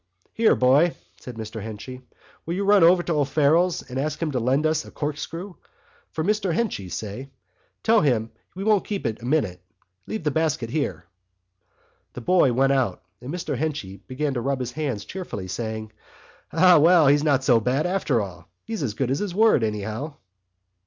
"Here, boy!" said Mr Henchy, "will you run over to O'Farrell's and ask him to lend us a corkscrew—for Mr Henchy, say. Tell him we won't keep it a minute. Leave the basket there." The boy went out and Mr Henchy began to rub his hands cheerfully, saying: "Ah, well, he's not so bad after all. He's as good as his word, anyhow."